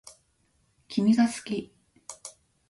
君が好き